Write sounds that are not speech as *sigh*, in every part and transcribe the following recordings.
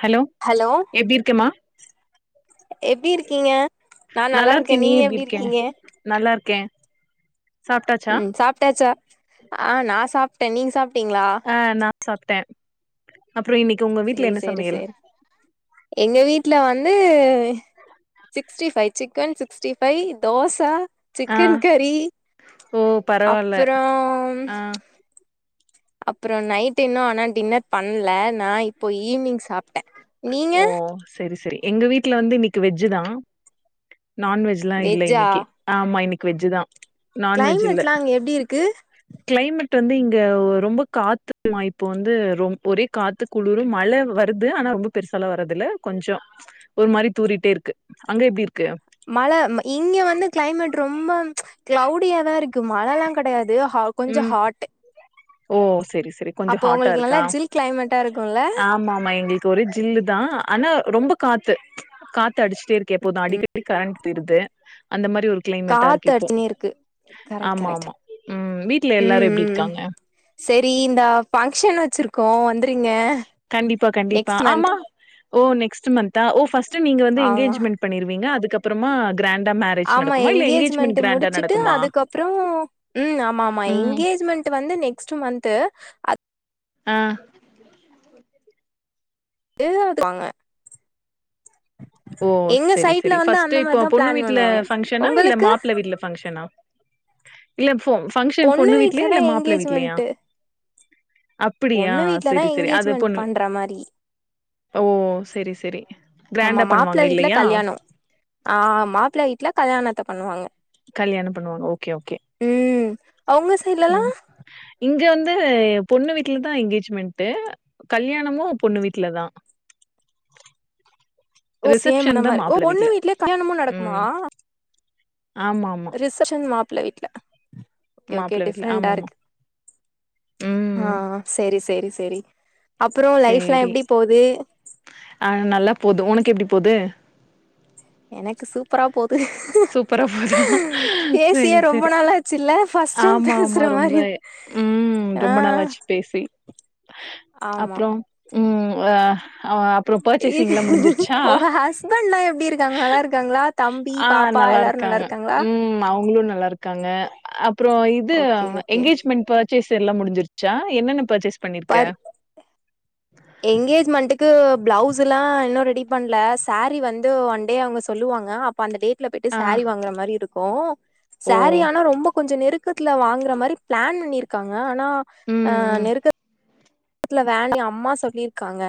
Hello எப்டி இருக்கமா எப்டி இருக்கீங்க நா நல்லா இருக்கே நீங்க எப்டி இருக்கீங்க நல்லார்க்கே ஆ நா சாப்டே நீங்க சாப்டீங்ளா ஆ நான் சாப்டே அப்புற இன்னக்கி உங்க செரி செரி செரி எங்க வீட்ல வந்து sixty five chicken sixty five dosa ஆ சிக்கன் கறி ஓ பரவால்ல அப்புறம் ஆ அப்புற நைட் இன்னு ஆனா டின்னர் பண்ல நா இப்போ ஈவினிங் சாப் ஓ செரி செரி எங்க வீட்ல வந்து இன்னிக்கி வெஜ்ஜுதா நான்வெஜ் ஜில இல்ல வெஜ்ஜா இன்னிக்கி ஆமா இன்னைக்கு வெஜ்ஜு தா நான்வெஜ் இல்ல கிளைமேட்லா அங்க எப்டி இருக்கு கிளைமேட் வந்து இங்க ரொம்ப காத்து மா இப்ப வந்து ரொம் ஒரே காத்து குளிரு மழ வர் ருது ஆனா ரொம்ப பெருசால வரதுல்ல கொஞ்சோ ஒரு மாரி தூறிட்டே இருக்கு அங்க எப்படி இருக்கு மழ இங்க வந்து கிளைமேட் ரொம்ப கிளவுடியாதா இருக்கு மழல்லா கடையாது ஹ ம் ஓ சரி சரி கொஞ்ச அப்போ ஹாட்டா உங்களுக்கு நல்லா இருக்கா ஜில் கிளைமேட்டா இருக்குல்ல ஆமா ஆமா எங்களுக் கு ஒரு ஜில்லு தா ஆனா ரொம்ப காத்து காத்து அடிச்சிட்டே இருக்கு எப்போதா அடிக்கடி கரண்ட் போயிது அந்த மாரி ஒரு கிளைமேட்டா காத்து இருக்கு இப்போ அடிச்சுனே இருக்கு கரெக்ட் ஆமா கரெக்ட் ஆமா ம் வீட்டுல எல்லாரு எப்படிக்காங்க செரி இந்த ஃபங்க்ஷன் வெச்சிரு கோ வந்துரிங்க கண்டிப்பா கண்டிப்பா ஆமா ஓ நெக்ஸ்ட்டு மந்த்தா ஓ ஃபஸ்ட்டு நீங்க வந்து ஆமா எங்கேஜ்மெண்ட் பண்ணிருவீங்க அதுக்கப்புறமா கிராண்டா மே ஆமா என்ங்கேஜ்மெண்ட்டு முடிச்சுட்டு அதுக்கப்புறோ ம் ஆமா ஆமா ம் எங்கேஜ்மெண்ட் வந்து நெக்ஸ்ட் மந்த்து ஆ எதோ இருக்கறாங்க ஓ செரி சைட்ல செரி வந்து அந்த பஸ்ட்டு இப்போ மாரிதா பொண்ணு பிளான் வீட்டுல பண்ணுவாங்க ஃபங்க்ஷனா இல்ல உங்களுக்கு மாப்பிள்ள வீட்டுல ஃபங்க்ஷனா இல்ல ஃபோ பங்க்ஷன் பொண்ணு வீட்ல வீட்லயா தா இல்ல மாப்பிள்ள வீட்லயா எங்கேஜ்மெண்ட்டு அப்படியா பொண்ணு வீட்ல தா சரி சரி அத எங்கேஜ்மெண்ட் பொண்ணு பண்ற மாரி ஓ செரி செரி கிராண்டா பண்ணுவா ப்பிள்ள வீட்டுல கல்யாணோ ஆ மாப்பிள்ள வீட்டுல கல்யாணத்த பண்ணுவாங்க கல்யாணம் பண்ணுவாங்க ஓகே ஓகே ம் அவங்க ம் இங்க வந்து பொண்ணு வீட்டுலதா எங்கேஜ்மெண்ட்டு கல்யாணமு பொண்ணு வீட்டுலதா ஓ சேம் அந்த ரிசப்ஷன் தா மாரி ஓ மாப்பிள்ள பொண்ணு வீட்ல, வீட்லயே கல்யாணமு நடக்குமா ம் ஆமா ஆமா ரிஸப்ஷன் மாப்பள வீட்ல ஓகே ஓகே மாப்ள வீட்ல டிஃப்ரொண்ட்டா ஆமாமா இருக்கு ஆ ம் செரி செரி செரி அப்புறோ லைஃப்லா சேரி எப்படி போது ஆ நல்லா போது உனக்கு எப்படி போது எனக்கு சூப்பரா போது சூப்பரா போதா பேசியே சரி ரொம்ப சரி நாளாச்சுல்ல ஃபர்ஸ்ட் டைம் ஆமா ஆமா பேசுற ரொம்ப மாரி ம் ஆ ரொம்ப நல்லாச்சு பேசி ஆமா அப்புறம் ம் ஹ ஆ உங்க ஹஸ்பண்ட்லா எப்படி இருக்காங்க நல்லா இருக்காங்களா தம்பி ஆ பாப்பா எல்லாரு நல்லா நல்லாருக்காங்க இருக்காங்களா ம் அவங்களு நல்லா இருக்காங்க அப்புறோ இது okay okay engagement purchase எல்லா முடிஞ்சிருச்சா என்னென்ன பர்ச்சேஸ் பண்ணிருக்க பர் எங்கேஜ்மெண்ட்டுக்கு பிளவுஸ் எல்லா இன்னு ரெடி பணல சாரீ வந்து ஒன் டே அவங்க சொல்லுவாங்க அப் அந்த டேட்ல போய்ட்டு ஆ சேரீ வாங்குற மாரி இருக்கு ஓ சாரீ ஆனா ரொம்ப கொஞ்ச நெரு க்கத்துல வாங்கர மாரி பிளான் பண்ணிருக்காங்க ஆனா அ ம் ம் நெருக்க த்துல வேண்டா அம்மா சொல்லியிருக்காங்க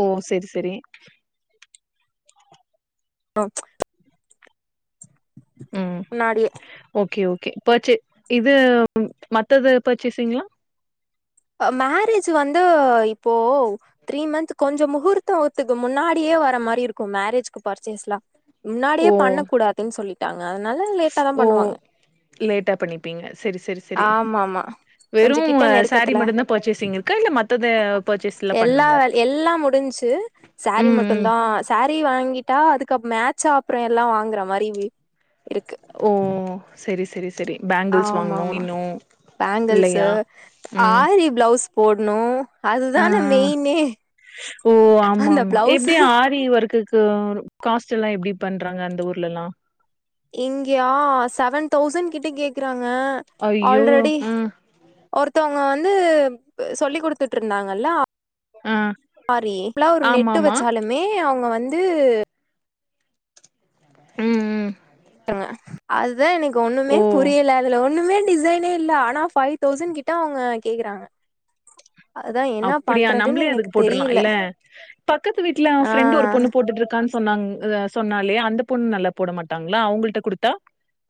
ஓ செரி செரி ஓ ம் முன்னாடியே ஓகே ஓகே பர்ச்சே இது மத்தது பர்ச்சேஸிங்ளா ஆ மேரேஜ் வந்து இப்போ த்ரீ மந்த் கொஞ்சோ முகூர்த்தத்துக்கு முன்னாடியே வரற மாரி இருக்கு மேரேஜ்க்கு பர்ச்சேஸ்லா முன்னாடியே ஓ பண்ண கூடாதுன்னு சொல்லிட்டாங்க அதனால லேட்டாதா ஓ பண்ணுவாங்க லேட்டா பண்ணிப்பீங்க, செரி செரி செரி ஆமா ஆமா கொஞ்ச வெறும் கிட்ட சா ரி நெருக்கத்துல மட்டுந்தா பர்ச்சேசிங் இருக்கா இல்ல மத்த பர்ச்சேஸ்ல்லா எல்லா பண்ணும்மா வேல எல்லா முடிஞ்சு சாரீ ம் மட்டுந்தா சாரீ வாங்கிட்டா அதுக்கு மேட்சா அப்பறோ எல்லா வாங்குற மாரி இருக்கு ஓ செரி செரி செரி ஆமா ஆமா பேங்கல்ஸ்சு இல்லையா? ம் ஆரி பிளவுஸ் போட்ணு அதுதான அ, மெயினே ஓ ஆமா அந்த ஆமா பிளவுஸ் எப்டி ஆரி வொர்க்குக்கு காஸ்ட் எல்லா எப்டி பண்றாங்க அந்த ஊர்ல எல்லா இங்கயா செவன் தௌசண்ட் கிட்ட கேக்குறாங்க ஐயோ ஆல்ரெடி ம் ஒருத்தவங்க வந்து சொல்லி குடுத்துட்டு இருந்தாங்கல்ல ஆ ஆரி இப்பல்லா ஒரு நெட்டு ஆமாமா வச்சாலுமே அவங்க வந்து ம், ம் தங்க அதுதா எனக்கு ஒண்ணுமே ஓ பு ரியல அதுல ஒண்ணுமே டிசைனே ஆனா ஃபைவ் தௌசண்ட் கிட்ட அவங்க கேக்குறாங்க அதா *inaudible* என்ன அப்படியா பண்றதுன்னு நம்மளே அதுக்கு எனக்கு போட்டுருலா தெரியல இல்ல பக்கத்து வீட்ல எ ஆ ஃப்ரெண்டு ஒரு பொண்ணு போட்டுட்டு இருக்கான்னு சொன்னாங்க சொன்னாலே அந்த பொண்ணு நல்லா போட மாட்டாங்களா அவங்கள்ட குடுத்தா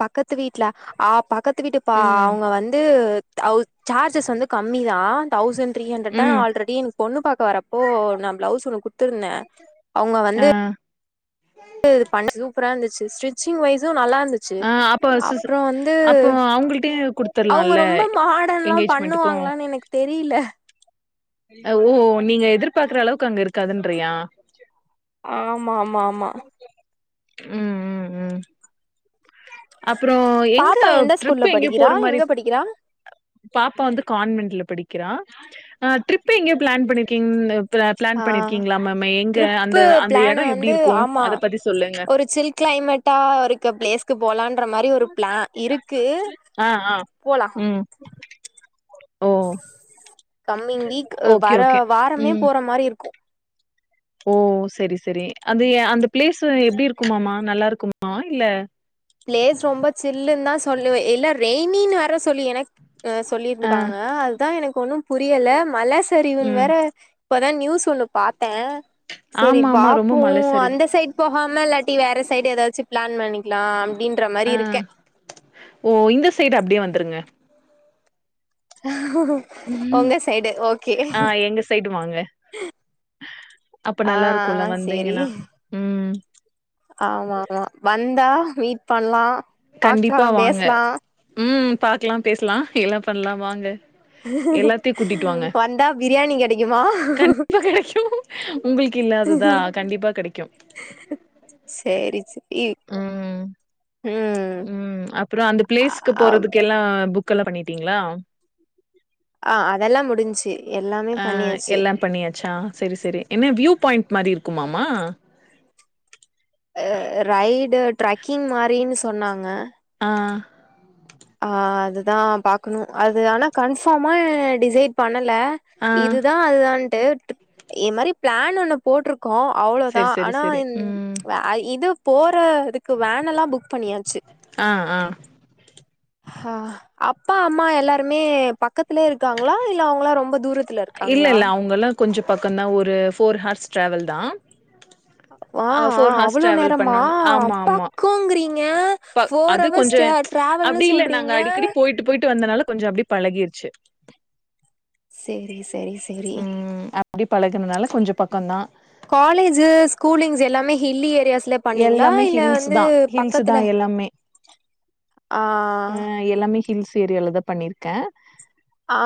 பக்கத்து வீட்ல ஆ பக்கத்து வீட்டு பா ம் அவங்க வந்து அவ சார்ஜஸ் வந்து கம்மிதா தௌசண்ட் த்ரீ ஹண்ட்ரட்தா ம் ஆல்ரெடி என்ன பொண்ணு பாக்க வரப்போ நா பிளவுஸ் ஒண்ணு குடுத்துருந்தே அவங்க ஆ வந்து து இது பண்ணி சூப்பரா இருந்துச்சு ஸ்டிரி சிங் வைசு நல்லா இந்துச்சு ஆ அப்ப சிஸ் அப்றோ வந்து அப்போ அவங்கள்ட்டயே அவுங்க குடுத்துர்லால்ல ரொம்ப மாடன் லா எங்கேஜ்மெண்ட்டுக்கு பண்ணுவாங்களா எனக்கு தெரில அ உ நீங்க எதிர்பாக்கற அளவுக்கு அங்க இருக்காதுன்றியா ஆமா ஆமா ஆமா ம், ம், ம் அப்பறோ எங்க பாப்பா எந்த ஸ்கூல்ல ட்ரிப் எங்க படிக்கிறா போற மாரி எங்க படிக்கிறா அ பாப்பா வந்து கான்வென்ட்ல படிக்கிறா, அ ட்ரிப் எங்கயோ பிளான் பண்ணிருக்கீங்னு பிளா பிளான் ஆ பண்ணிருக்கீங்களாமாமே எங்க அந்த ட்ரிப்பு அந்த பிளான் எடம் எப்டி வந்து இருக்கு அத பத்தி சொல்லுங்க டா இருக்க பிளேஸ்க்கு போலான்ற மாரி ஒரு பிளா இருக்கு, ஆ ஆ போலா ம் ஓ கம்மிங் வீக் ஓகே வர ஓகே வாரமே ம் போற மாரி இருக்கு ஓ செரி செரி அது அந்த பிளேஸ் எப்டி இருக்குமாமா நல்லா இருக்குமா இல்ல பிளேஸ் ரொம்ப சில்லுன்னுதா சொல்லுவ இல்ல ரெயினின்னு வேற சொல்லி எனக் அ ஆ சொல்லியிருந்துக்காங்க அதுதா எனக்கு ஒண்ணும் புரியல மல சரிவுன்னு ம் வேற இப்பதா நியூஸ் ஒண்ணு பாத்தே, சேரி ஆமா ஆமா ரொம்ப பாப்போ மல சரிவு அந்த சைடு போகாம இல்லாட்டி வேற சைடு ஏதாச்சும் பிளான் பண்ணிக்லா அப்டின்ற மாரி ஆ இருக்கே ஓ இந்த சைடு அப்டியே வந்துருங்க டு ம், ஆ எங்க சைடு வாங்க அப்ப ஆ நல்லா இருக்குல்ல சேரி வந்தீங்கன்னா, ம் ஆமா ஆமா வந்தா மீட் பண்லா பாக்லா கண்டிப்பா வாங்க பேசலா ம் பாக்கலா பேசலா எல்லா பண்ணலா வாங்க எல்லாத்தையு கூட்டிட்டு வாங்க வந்தா பிரியாணி கெடைக்குமா ஐயூ உங்குளுக்கு இல்லாததா கண்டிப்பா கெடைக்கோ செரி செரி ம் ம் அப்றோ அந்த பிளேஸ்க்கு அப் போறதுக்கு எல்லா புக் எல்லா பண்ணிடீங்களா அ அதலா முடிஞ்சி அ எல்லா பண்ணியாச்சா செரி செரி என்ன வியூ பாயிண்ட் மாரி இருக்குமாமா அ ரைடு ட்ரக்கிங் மாரினு சொன்னாங்க ஆ ஆ அதுதா பாக்ணு அது ஆனா கன்பாமா டிசைட் பண்ணல ஆ இதுதா அதுதான்டு இ மாரி பிளான் ஒண்ணு போட்டுருக் கோ அவ்ளோதா செரி செரி ஆனா செரி ம் அ இது போற இதுக்கு வேனுலா புக் பண்ணியாச்சு ஆ ஆ அ அப்பா அம்மா எல்லாருமே பக்கத்துலே இருக்காங்களா இல்ல அவுங்களா ரொம்ப தூரத்துல இரு இல்ல இல்ல அவுங்கலா கொஞ்சோ பக்கதா ஒரு போர் ஹர்ஸ் ட்ராவல் தா ஆ போர் ஹார்ஸ் டிராவல் பண்ணணு ஆமா ஆமா பக்கோங்கிறீங்க ப ஃபோர் அது ஹவர்ஸ் கொஞ்சோ ட டிராவல்னு அப்டி இல்ல நாங்க சொல்றீங்க அடிக்கடி போயிட்டு போயிட்டு வந்தனால கொஞ்சோ அப்டி பலகிடுச்சு செரி செரி செரி ம் அப்டி பலகுனால கொஞ்சோ பக்கதா காலேஜு ஸ்கூலிங்ஸ் எல்லாமே ஹில்லி ஏரியாஸ் லா பண்ணீங்ளா எல்லாமே இல்ல ஹில்ஸ் வந்து தா ஹில்ஸ் தா பக்கத்துல எல்லாமே ஆ நா எல்லாமே ஹில்ஸ் ஏரியால தா பண்ணிருக்கே ஆ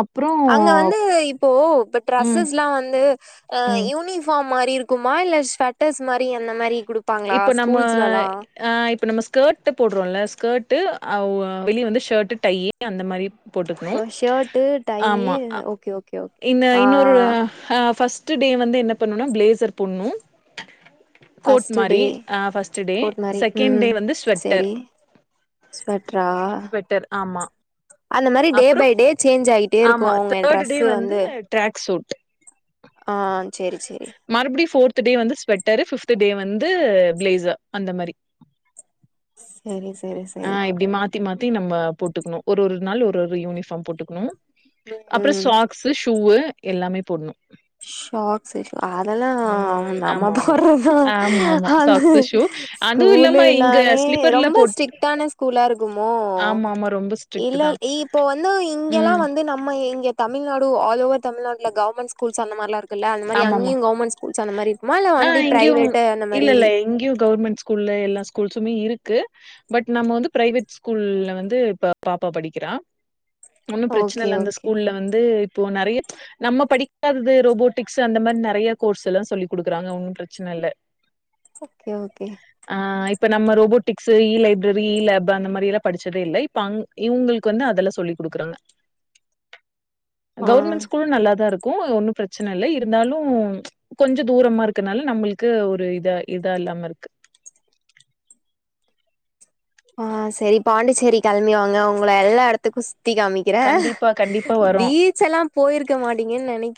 அப்றோ அங்க வந்து இப்போ இப்ப ம் ட்ரெஸ்ஸஸ்லா வந்து ஆ ம் யூனிபாம் மாரி இருக்குமா இல்ல ஸ்வட் டர்ஸ் மாரி அந்த மாரி குடுப்பாங்களா இப்ப நம்ம ஸ்கூல்ஸ்லலா ஆ இப்போ நம்ம ஸ்கர்ட் போறோல ஸ்கர்ட் வெளிய வந்து ஷர்ட்டு டையி அந்த மாரி இப்போ போட்டுக்கணும் ஷர்ட்டு டையி ஆமா ஓகே ஓகே ஓகே இந்த ஆ இன்னொரு ஃபஸ் ஸ்டுடே வந்து என்ன பண்ணுனா பெளசர் பொடுண்ணு ஃபஸ்ட்ட் டே ஆ ஃபர்ஸ்ட் டே கோட் மாரி செகண்ட் டே ம் வந்து ஸ்வெட்டர் செரி ஸ்வெட்டரா ஸ்வெட்டர் ஆமா அந்த மாரி டே அப்றோ பை டே சேஞ்ச் ஆகிட்டே ஆமா இருக்கும் அவங்க தேர்ட் டே டிரெஸ்ஸு வந்து ட்ராக் சூட் ஆ செரி செரி மறுபடியோ போர்து டே வந்து ஸ்வெட்டரு பிப்து டே வந்து பிளேஸு அந்த மேரி செரி செரி ஆ செரி எப்டி மா மாத்தி மாத்தி நம்ம போட்டுக்குணு ஒரு ஒரு நாள் ஒரு ஒரு யூனிபாம் போட்டுக்குணு அப்றோ ம் சாக்ஸு ஷூவு எல்லாமே போணோ ஷாக்ஸ் ஷு அதலா ம் நம்ம ஆமா ஆமா போறது தா ஆமா ஆமா தா அது சாக்ஸு ஷூ அதுவு இல்லாம இங்க ஸ்கூலனாலே ஸ்லிப்பர்ல ரொம்ப போட் ஸ்ட்ரிட்டான ஸ்கூல்லா இருக்குமோ ஆமா ஆமா ரொம்ப ஸ்ட்ரிக்ட் இல்ல தா இப்போ வந்து இங்கல்லா ம் வந்து நம்ம இங்க தமில்நாடு ஆல் ஓவர் தமில்நாட்ல கவுர்மெண்ட் ஸ்கூல்சா அந்த மார்லா இருக் ல அந்த மாரி ஆமாமா அங்கியூ கவுமெண்ட்ஸூல்ஸ் அந்த மாரி இருக்குமால வண்டி பிரைவேட்டு அந்த மாரி இங்கியூ கவர்மெண்ட் ஸ்கூல் ஸ்கூல்ல எல்லா ஸ்கூல்ஸுமே இருக்கு பட் நம்ம வந்து பிரைவேட் ஸ்கூல்ல வந்து இப்ப பாப்பா படிக்கிறா ஒன்னும் பெரச்சனை ஓகே இல்ல அந்த ஓகே ஸ்கூல்ல வந்து இப்போ நெறைய நம்ம படிக்காதது ரோபோட் டிக்ஸ் அந்த மாரி நெறைய கோர்ஸ் எல்லா சொல்லி கொடுக்குறங்க ஒன்னும் பெரச்சனை இல்ல ஓகே ஓகே ஆ இப்ப நம்ம ரோபோட்டிக்ஸ் இ லைப்ரரி இ லேப் அந்த மாரி எல்லா படிச்சதே இல்ல இப்ப இவங்களுக்கு வந்து அதெல்லா சொல்லிக் கொடுக்குறாங்க ஆ கவர்மெண்ட் ஸ்கூலும் நல்லாதான் இருக்கும் ஒன்னும் பெரச் சனை இல்லை இருந்தாலும் கொஞ்சொ தூரமா இருக்கனால நம்ளுக்கு ஒரு இதா இதா இல்லாம இருக்கு ஆ செரி பாண்டிச்சேரி கிள்ம்பி வாங்க உங்கள எல்லா இடத்துக்கும் சுத்தி காமிக்கிறேன் கண்டிப்பா கண்டிப்பா வீ ச் செல்லாம் பொயிருக்க மாட்டீங்கன்னு நெனை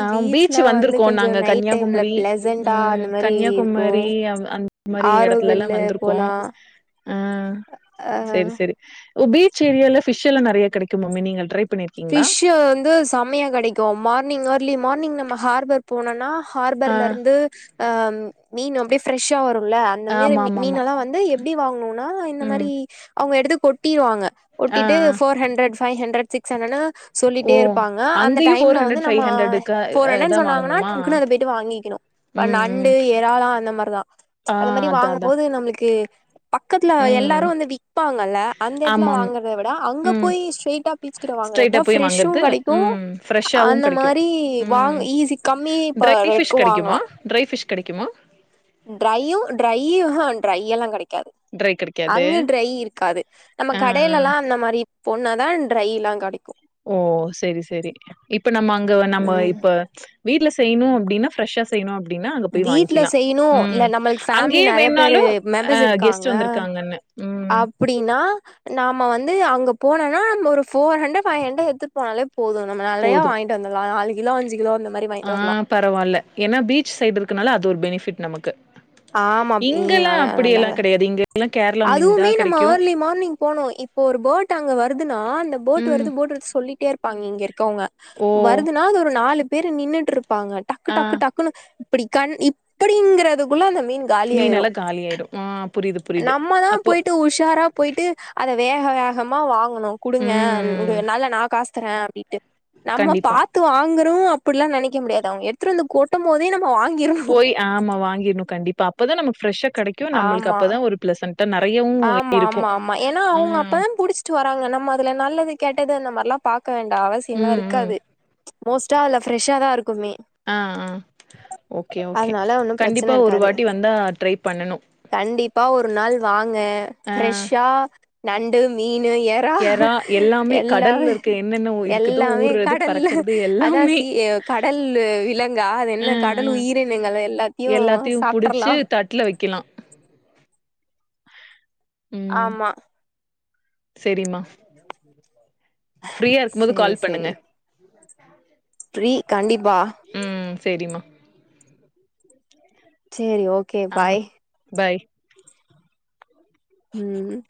அ பீச் வந்திருக்கோ நாங்க நைட் டைம்ல கன்னியாகுமரி பிளசன்டா ம் அந்த மாரி இருக்கு கன்னியாகுமரி மாரி எடத்துல்ல ஆரோவில்லு வந்துருக்கோ போலா ஆ அ செரி செரி பீச் ஏரியால பிஷ் எல்லா நெறைய கடைக்குமாமே நீங்க ட்ரை பண்ணிருக்கீங்களா பிஷ் வந்து செமையா கடைக்கும் மார்னிங் இயர்லி மார்னிங் நம்ம ஹார்பர் போனோனா ஆ ஹார்பர்ல இருந்து ஆ மீன் அப்டியே ஃப்ரெஷ்ஷா வரும்ல அந்த மாரி ஆமா ஆமா மீன் ஆமா எல்லாம் வந்து எப்டி வாங்கனும்னா இந்த மாரி ம் அவங்க எடுத்து கொட்டிருவாங்க ஆ கொட்டிட்டு ஆ four hundred five hundred six ஹண்ரட்ன்னு ஓ சொல்லிட்டே இருப்பாங்க அந்த அங்கயு டைம்ல ஃபோர் வந்து ஹண்ட்ரட் நம்ம ஃபைவ் ஹண்ட்ரடுக்கு ஃபோர் அ ஹண்டரடனு இதா சொன்னாங்கன்னா வாங்கணுமா டக்குன்னு அத போய்டட்டு வாங்கிக்கணு ம் நண்டு ம் ஏராளா அந்த மாரி தான் ஆ அந்த மாரி அதா வாங்கும் அதா போது நம்ளுக்கு பக்கத்துல ம் எல்லாரும் வந்து விபாங்கல்ல அந்த எடத்துல ஆமா ஆமா வாங்கறத விட அங்க ம் போய் ஸ்ட்ரைட்டா ஸ்ட்ரைட்டா போய் வாங்கறது ம் ஃப்ரெஷ்ஷாவும் அந்த கடைக்கும் மாரி வாங் ம் ஈஸி கம்மி ப டிரை ஃபிஷ் ரேட்க்கு கடைக்குமா டிரை ஃபிஷ் கடைக்குமா டிரையு டிரை ஆ டிரை எல்லாம கடைக்கு காது ட்ரை கெடைக்காது அங்க டிரை இருக்காது நம்ம ஆ கடையிலல்லாம் அந்த மாரி பொனாத டிரை எல்லா கடைக்கும் ஓ செரி செரி இப்ப நம்ம அங்க நம்ம ம் இப்ப வீட்ல செய்யணும் அப்டின்னா ஃப்ரெஷ்ஷா செய்யணும் அப்டின்னா அங்க போய் வீட்ல வாங்கிக்கலா செய்யணு இல்ல ம் நம்மளுக்கு ஃபேமிலி அங்கயே நெறைய வேணுனாலு பேரு அ மெம்பர்ஸ் இருக்காங்க கெஸ்ட் வந்திருக்காங்கன்னு ம் அப்டின்னா நாம்ம வந்து அங்க போனம்னா நம்ம ஒரு ஃபோர் ஹண்ட்ட் பைவ் ஹண்ட்ரட் எடுத்துட்டு போனாலே போதும் நம் நெறயா போது வாங்கிட்டு வந்துர்லா நாலு கிலோ அஞ்சு கிலோ அந்த மாரி வாங்கிட்டு வர்லா பரவாயில்ல ஏனா பீச் சைடு இருக்குனால அது ஒரு பெனிஃபிட் நமக்கு ஆமா நீ ந இங்கெல்லாம் அப்டி எல்லா நல்ல கடையாது இங்க எல்லா கேரளா மீன் தா அதுவுமே நம்ம கெடைக்கு ஏர்லி மார்னிங் போனோ இப்போ ஒரு போட் அங்க வருதுன்னா அந்த போட் ம் வருது போட் வருது சொல்லிட்டே இரு பாங்க இங்க இருக்கவங்க ஓ வருதுனா அது ஒரு நாலு பேரு நின்னுட்ருப்பாங்க டக்கு ஆ டக்கு டக்கு குல இப்டி கண் இப்டிங்கிறதுக்குள்ள அந்த மீன் காலி மீன் ஆயிரு எல்லா காலி ஆய்டு ஆ புரியுது புரியுது நம்ம தா அப்போ போய்ட்டு உஷாரா போயிட்டு அத வேக வேகமா வாங்கணு குடுங்க இ ம் நல்லா நான் காசுதறேன் அப்டின்ட்டு நம்ம கண்டிப்பா பாத்து வாங்குனு அப்டிலா நெனைக்க முடியாது அவங்க எடுத்துட்டு வந்து கொட்டும் போதே நம்ம வாங்கிரனு போய் ஆமா வாங்கிடும் கண்டிப்பா அப்பதான் நமக்கு ஃப்ரெஷ்ஷா கடைக்கும் நம்ளுக்கு ஆமா அப்பதான் ஒரு பெளசண்டா நெறையவும் ஆமா ஆமா ஆமா ஏனா அவங்க அப்பதான் புடிச் ட்டு வராங்க நம்ம அதுல நல்லது கேட்டது அந்த மாரி பாக்க வேண்டா அவசியம்லாம் ம், ம். இருக்காது மோஸ்ட்டா இல்ல ஃப்ரெஷ்ஷா தான் இருக்குமே ஆ ஆ ஓகே ஓகே அதனால ஒன்னு பிரச்சன கண்டிப்பா ஒரு இருக்காது வாட்டி வந்தா ட்ரை பண்ணணு கண்டிப்பா ஒரு நாள் வாங்க ஆ ஃப்ரெஷ்ஷா நண்டு மீன் ஏ அ எறா எல்லாமே கடல்ல இருக்க என்னென்ன இருக்குதோ எல்லாமே ஊர்றது, கடல்ல பறக்கறது அதா எல்லாமே. சீயு கடலு விலங்கா அது அ, என்ன அ. கடல் உயிரினுங்கள் எல்லாத்தயு சாப்பிட்றலா தட்டில வைக்கலா ஆமா செரிமா ஃப்ரீயாருக்கு போது செரி கால் பண்ணுங்க செரி ஃப்ரீ கண்டிப்பா ம் சேரிமா சேரி ஓகே ஆ பாய் பாய் ம்